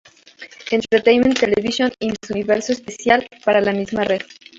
Entertainment Television y el Miss Universo Especial para la misma red.